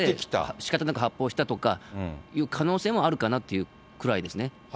しかたなく、発砲したとかいう可能性もあるかなというくらいですね。